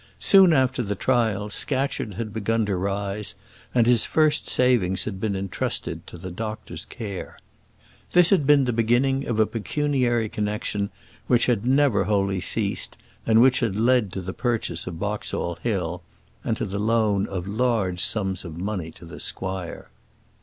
Soon after the trial Scatcherd had begun to rise, and his first savings had been entrusted to the doctor's care. This had been the beginning of a pecuniary connexion which had never wholly ceased, and which had led to the purchase of Boxall Hill, and to the loan of large sums of money to the squire.